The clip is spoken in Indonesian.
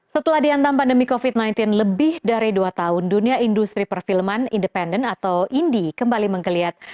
setelah diantam pandemi covid sembilan belas lebih dari dua tahun dunia industri perfilman independen atau indi kembali menggeliat